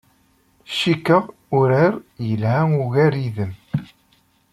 Cikkeɣ urar yelha ugar yid-m.